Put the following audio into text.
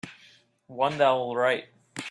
One that will write.